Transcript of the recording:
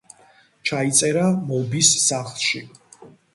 ჩაიწერა მობის სახლში.